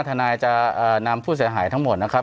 ทนายจะนำผู้เสียหายทั้งหมดนะครับ